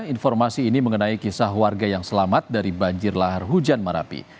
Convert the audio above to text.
informasi ini mengenai kisah warga yang selamat dari banjir lahar hujan merapi